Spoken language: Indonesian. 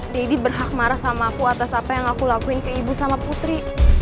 deddy berhak marah sama aku atas apa yang aku lakuin ke ibu sama putri